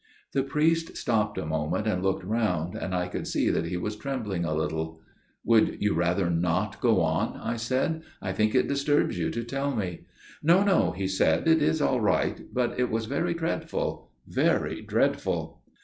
The priest stopped a moment and looked round, and I could see that he was trembling a little. "Would you rather not go on?" I said. "I think it disturbs you to tell me." "No, no," he said; "it is all right, but it was very dreadful––very dreadful."